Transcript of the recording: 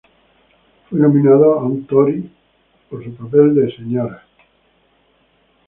Fue nominada a un Tony por su papel de Mrs.